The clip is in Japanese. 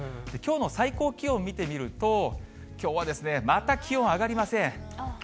きょうの最高気温見てみると、きょうはまた気温、上がりません。